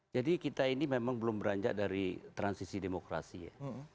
kita ini memang belum beranjak dari transisi demokrasi ya